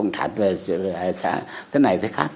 thế này thế khác